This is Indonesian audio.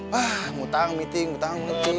butang meeting butang meeting